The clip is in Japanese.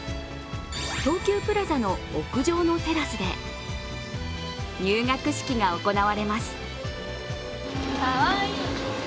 東急プラザの屋上のテラスで入学式が行われます。